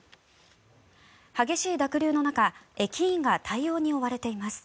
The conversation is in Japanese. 激しい濁流の中駅員が対応に追われています。